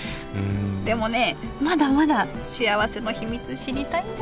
でもねまだまだしあわせの秘密知りたいんだよな